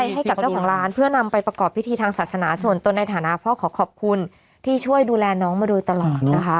ให้กับเจ้าของร้านเพื่อนำไปประกอบพิธีทางศาสนาส่วนตนในฐานะพ่อขอขอบคุณที่ช่วยดูแลน้องมาโดยตลอดนะคะ